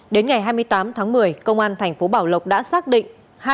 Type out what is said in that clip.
đến ngày hai mươi tám tháng một mươi công an tp bảo lộc đã xác định